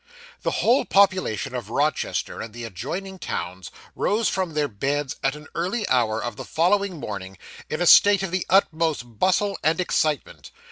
The whole population of Rochester and the adjoining towns rose from their beds at an early hour of the following morning, in a state of the utmost bustle and excitement.